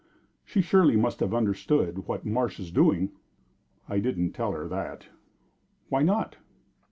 "She surely must have understood what Marsh is doing." "I didn't tell her that." "Why not?"